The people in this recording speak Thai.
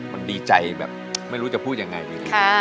มันดีใจไม่รู้จะพูดยังไง